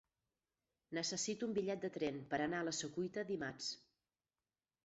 Necessito un bitllet de tren per anar a la Secuita dimarts.